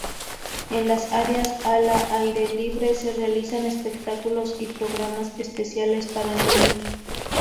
En las áreas ala aire libre se realizan espectáculos y programas especiales para niños.